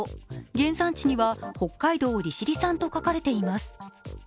原産地には北海道利尻産と書かれています。